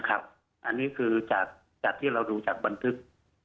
อันนี้คือจากที่เรารู้จากบรรดา